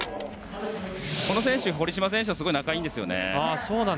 この選手、堀島選手とすごく仲がいいんですよね。